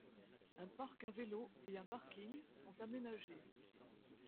Un parc à vélos et un parking sont aménagés.